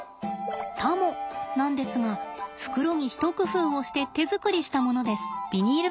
タモなんですが袋に一工夫をして手作りしたものです。